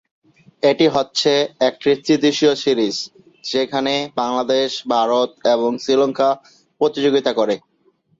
এটি হচ্ছে একটি ত্রিদেশীয় সিরিজ যেখানে বাংলাদেশ, ভারত এবং শ্রীলঙ্কা প্রতিযোগিতা করে।